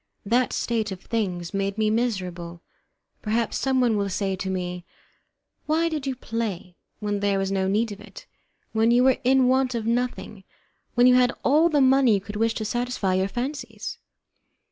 That state of things made me miserable. Perhaps someone will say to me: "Why did you play, when there was no need of it, when you were in want of nothing, when you had all the money you could wish to satisfy your fancies?"